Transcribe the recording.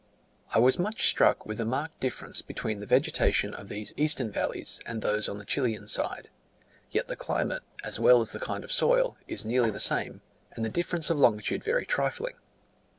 I was much struck with the marked difference between the vegetation of these eastern valleys and those on the Chilian side: yet the climate, as well as the kind of soil, is nearly the same, and the difference of longitude very trifling.